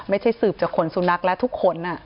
ไม่ใช่สืบจากขนสูงนักและทุกคน